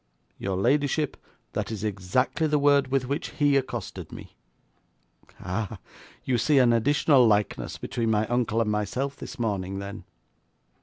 'Your ladyship, that is exactly the word with which he accosted me.' 'Ah, you see an additional likeness between my uncle and myself this morning, then?